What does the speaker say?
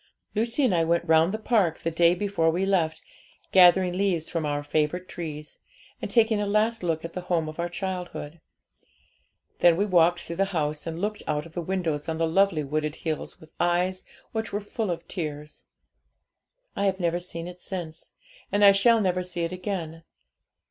Lucy and I went round the park the day before we left, gathering leaves from our favourite trees, and taking a last look at the home of our childhood. Then we walked through the house, and looked out of the windows on the lovely wooded hills with eyes which were full of tears. I have never seen it since, and I shall never see it again.